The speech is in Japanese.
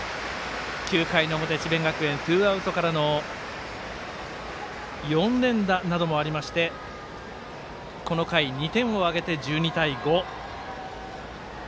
９回の表、智弁学園ツーアウトからの４連打などもありましてこの回、２点を挙げて、１２対５。